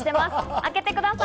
開けてください。